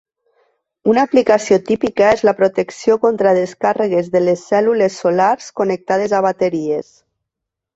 Una aplicació típica és la protecció contra descàrregues de les cèl·lules solars connectades a bateries.